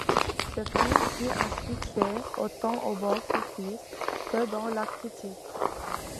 Ce film fut un succès, autant au box office, que dans la critique.